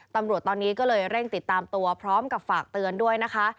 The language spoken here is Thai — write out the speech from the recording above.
ตำรวจตอนนี้ก็เลยเร่งติดตามตัวพร้อมกับฝากเตือนด้วยนะคะ